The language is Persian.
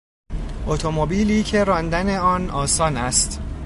اتومبیلی که راندن آن آسان است